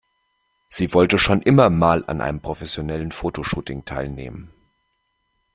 Sie wollte schon immer mal an einem professionellen Fotoshooting teilnehmen.